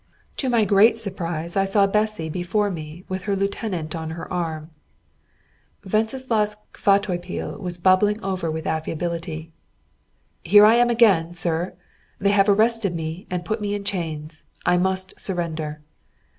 To my great surprise, I saw Bessy before me with her lieutenant on her arm. Wenceslaus Kvatopil was bubbling over with affability. "Here I am again, sir. They have arrested me, and put me in chains. I must surrender."